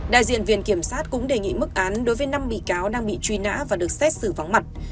đại diện viện kiểm sát cũng đề nghị mức án đối với năm bị cáo đang bị truy nã và được xét xử vắng mặt